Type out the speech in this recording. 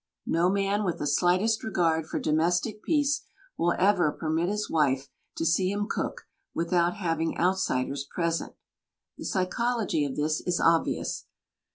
No man with the slightest regard for domestic peace will ever permit his wife to see him cook without having outsiders present. The psychology of this is obvious.